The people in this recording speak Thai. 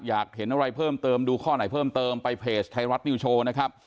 อยากเห็นอะไรเพิ่มเติมดูข้อไหนเพิ่มเติมไปเพจไทยรัฐนิวโชว์นะครับ